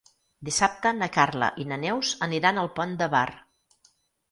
Dissabte na Carla i na Neus aniran al Pont de Bar.